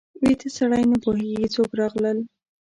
ویده سړی نه پوهېږي څوک راغلل